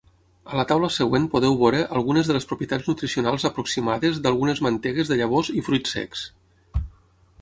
A la taula següent podeu veure algunes de les propietats nutricionals aproximades d'algunes mantegues de llavors i fruits secs.